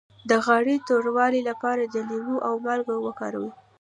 د غاړې د توروالي لپاره لیمو او مالګه وکاروئ